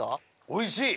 おいしい！